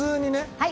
はい。